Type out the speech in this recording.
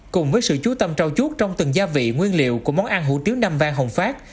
cùng với sự chú tâm trao chuốt trong từng gia vị nguyên liệu của món ăn hủ tiếu nam vang hồng phát